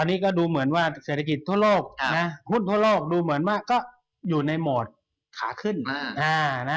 อันนี้ก็ดูเหมือนว่าเศรษฐกิจทั่วโลกหุ้นทั่วโลกดูเหมือนว่าก็อยู่ในโหมดขาขึ้น